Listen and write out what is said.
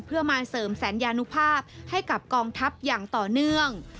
เพื่อมาเสริมสัญญานุภาพให้กับกองทัพอย่างต่อเนื่อง